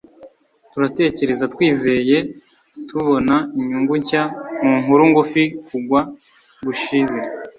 turatekereza-twizeye! -tubona inyungu nshya mu nkuru ngufi. kugwa gushize